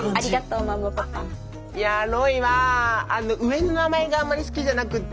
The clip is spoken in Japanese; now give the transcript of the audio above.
いやロイは上の名前があんまり好きじゃなくって。